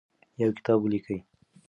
یو کتاب ولیکئ.